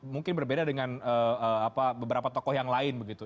mungkin berbeda dengan beberapa tokoh yang lain begitu